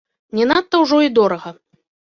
Не надта ўжо і дорага.